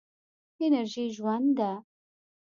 انرژي ژوند ده.